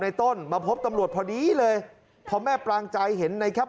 ต้นมาพบตำรวจพอดีเลยพอแม่ปลางใจเห็นในแคป